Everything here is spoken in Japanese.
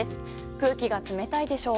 空気が冷たいでしょう。